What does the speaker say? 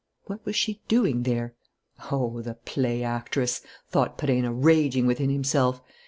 What was she doing there? "Oh, the play actress!" thought Perenna, raging within himself.